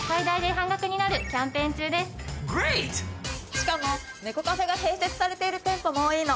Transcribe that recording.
しかも猫カフェが併設されている店舗も多いの。